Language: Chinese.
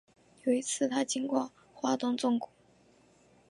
有一次他经过花东纵谷